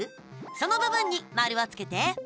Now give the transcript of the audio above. その部分に丸をつけて！